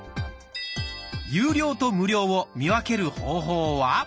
有料と無料を見分ける方法は。